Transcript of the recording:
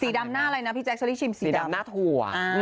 ดำหน้าอะไรนะพี่แจ๊เชอรี่ชิมสีดำหน้าถั่ว